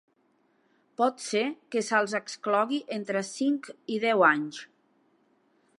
Pot ser que se'ls exclogui entre cinc i deu anys.